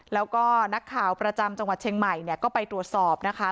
แล้วก็นักข่าวประจำจังหวัดเชียงใหม่เนี่ยก็ไปตรวจสอบนะคะ